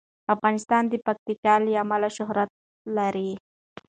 افغانستان د پکتیکا له امله شهرت لري.